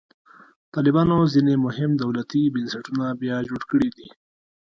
طالبانو ځینې مهم دولتي بنسټونه بیا جوړ کړي دي.